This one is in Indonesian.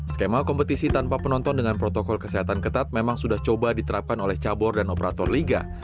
skema kompetisi tanpa penonton dengan protokol kesehatan ketat memang sudah coba diterapkan oleh cabur dan operator liga